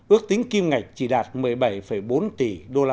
ước tính kim ngạch chỉ đạt một mươi bảy bốn tỷ usd